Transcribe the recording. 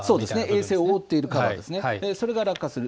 衛星を覆っているカバーですね、それが落下する。